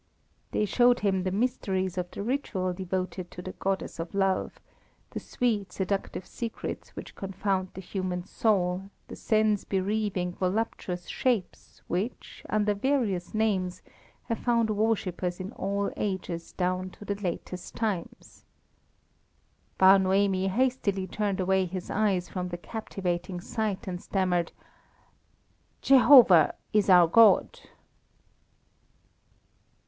They showed him the mysteries of the ritual devoted to the Goddess of Love, the sweet, seductive secrets which confound the human soul, the sense bereaving, voluptuous shapes which, under various names, have found worshippers in all ages down to the latest times. Bar Noemi hastily turned away his eyes from the captivating sight, and stammered: "Jehovah is our God."